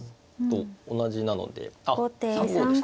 あっ３五でした。